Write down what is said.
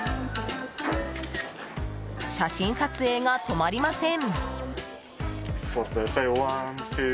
写真撮影が止まりません。